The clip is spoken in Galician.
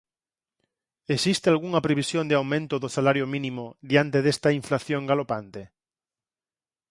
Existe algunha previsión de aumento do salario mínimo diante desta inflación galopante?